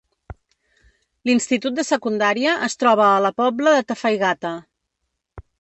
L'institut de secundària es troba la poble de Tafaigata.